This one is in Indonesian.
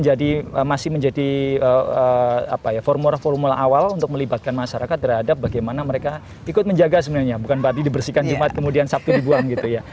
jadi ini masih menjadi apa ya formula formula awal untuk melibatkan masyarakat terhadap bagaimana mereka ikut menjaga sebenarnya bukan badi dibersihkan jumat kemudian sabtu dibuang gitu ya